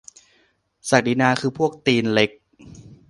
ศักดินาคือพวกตีนเล็ก ?